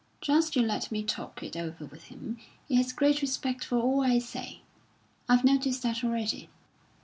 Just you let me talk it over with him. He has great respect for all I say; I've noticed that already."